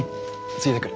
ついでくる。